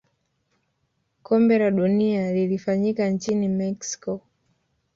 kombe la dunia lilifanyika nchini mexico